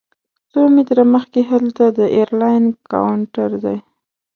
څو متره مخکې هلته د ایرلاین کاونټر دی.